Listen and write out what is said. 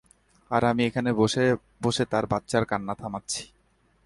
আর আমি এখানে বসে বসে তার বাচ্চার কান্না থামাচ্ছি!